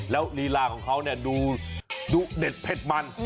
แล้วลีลาของเขาดูเด็ดเผ็ดมัน